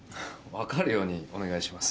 分かるようにお願いします。